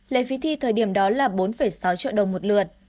lệ phí thi thời điểm đó là bốn sáu triệu đồng một lượt